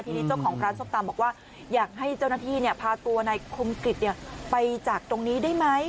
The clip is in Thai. ทีนี้เจ้าของร้านส้มตำบอกว่าอยากให้เจ้าหน้าที่พาตัวในคมกริจไปจากตรงนี้ได้ไหม